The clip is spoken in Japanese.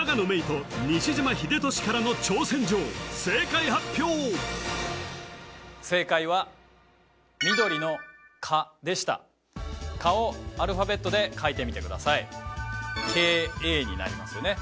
郁と西島秀俊からの挑戦状正解発表正解は緑の蚊でした蚊をアルファベットで書いてみてくださいＫＡになりますよね